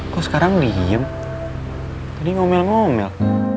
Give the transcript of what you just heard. kok sekarang diem tadi ngomel ngomel